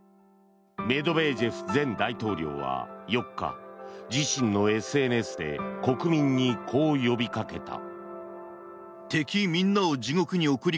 メドベージェフ前大統領は４日、自身のＳＮＳで国民に、こう呼びかけた。